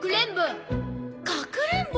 かくれんぼ。